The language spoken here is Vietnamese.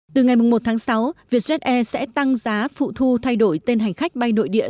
từ ngày một tháng sáu vietjet air sẽ tăng giá phụ thu thay đổi tên hành khách bay nội địa